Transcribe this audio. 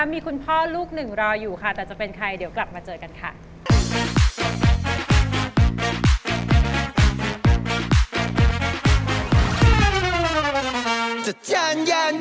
พี่ได่เดี๋ยวไปถึงนะ